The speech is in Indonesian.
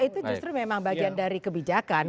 itu justru memang bagian dari kebijakan